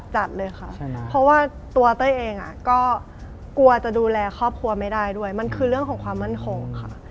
จัดเลยค่ะเพราะว่าตัวเต้ยเองก็กลัวจะดูแลครอบครัวไม่ได้ด้วยมันคือเรื่องของความมั่นคงค่ะ